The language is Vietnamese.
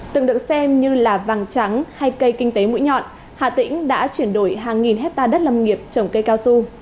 từng được xem như là vàng trắng hay cây kinh tế mũi nhọn hà tĩnh đã chuyển đổi hàng nghìn hectare đất lâm nghiệp trồng cây cao su